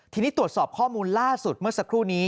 ทีนี้ตรวจสอบข้อมูลล่าสุดเมื่อสักครู่นี้